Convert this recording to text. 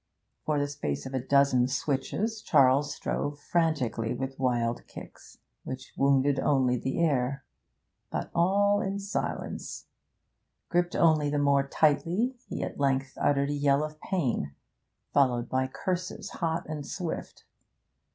For the space of a dozen switches Charles strove frantically with wild kicks, which wounded only the air, but all in silence; gripped only the more tightly, he at length uttered a yell of pain, followed by curses hot and swift.